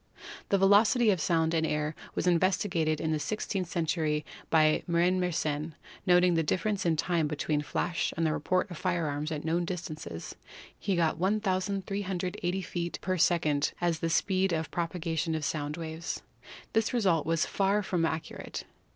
The velocity of sound in air was investigated in the six teenth century by Marin Mersenne. Noting the difference in time between the flash and the report of fire arms at known distances, he got 1,380 feet per second as the speed of propagation of sound waves. This result was far from accurate.